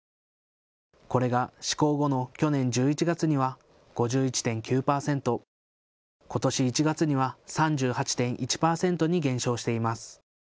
これが施行後の去年１１月には５１．９％、ことし１月には３８．１％に減少しています。